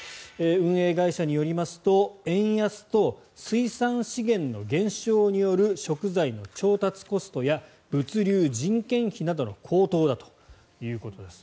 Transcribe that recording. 運営会社によりますと円安と水産資源の減少による食材の調達コストや物流、人件費などの高騰だということです。